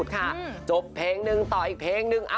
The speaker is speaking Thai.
เวลาสุดค่ะจบเพลงหนึ่งต่ออีกเพลงหนึ่ง